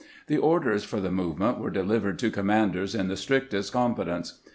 The orders for the movement were delivered to commanders in the strictest confidence.